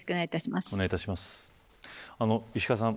石川さん